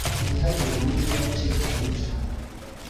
ntihagira n umwe ucika ku icumu